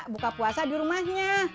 buka puasa di rumahnya